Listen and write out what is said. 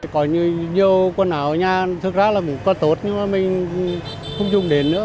có nhiều quần áo ở nhà thực ra là một quần tốt nhưng mà mình không dùng đến nữa